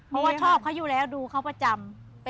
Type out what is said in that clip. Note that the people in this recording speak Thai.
เพราะว่าชอบเขาอยู่แล้วดูเขาประจำ